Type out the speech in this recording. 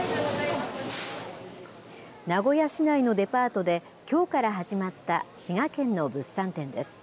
名古屋市内のデパートで、きょうから始まった滋賀県の物産展です。